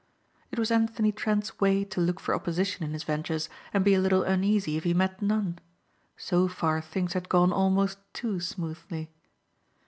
It was Anthony Trent's way to look for opposition in his ventures and be a little uneasy if he met none. So far things had gone almost too smoothly.